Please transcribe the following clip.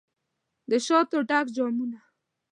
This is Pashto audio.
دشاتو ډک جامونه